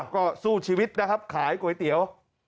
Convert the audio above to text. ก็สู้ชีวิตนะครับขายก๋วยเตี๋ยว